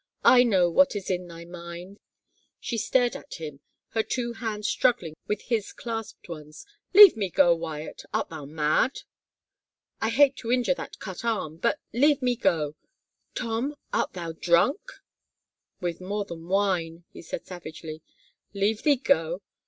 " I know what is in thy mind !'' She stared at him, her two hands struggling with his clasped ones. "Leave me go, Wyatt. Art thou mad? ... I hate to injure that cut arm — but leave me go. ... Tom, art thou drunk ?"" With more than wine," he said savagely. " Leave thee go!